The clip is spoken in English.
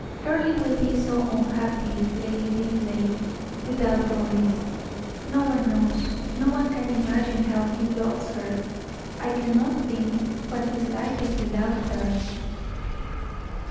"Earle will be so unhappy, Lady Linleigh, without Doris. No one knows no one can imagine how he loves her. I cannot think what his life is without her."